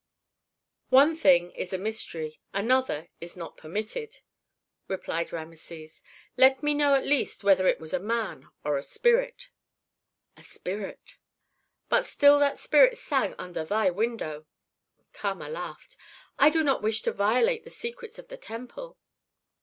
"One thing is a mystery, another is not permitted," replied Rameses. "Let me know at least whether it was a man or a spirit?" "A spirit." "But still that spirit sang under thy window." Kama laughed. "I do not wish to violate the secrets of the temple."